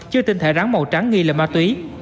chưa tinh thể rắn màu trắng nghi là ma túy